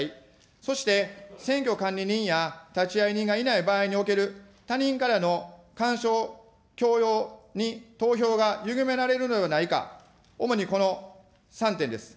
そして、選挙管理人や立会人がいない場合における他人からの干渉、強要に投票がゆがめられるのではないか、主に、この３点です。